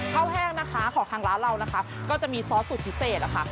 แห้งนะคะของทางร้านเรานะคะก็จะมีซอสสูตรพิเศษนะคะ